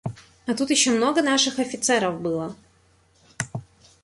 А тут ещё много наших офицеров было.